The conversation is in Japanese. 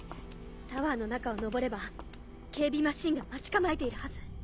タワーの中を上れば警備マシンが待ち構えているはず。